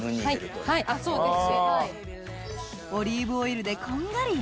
そうです。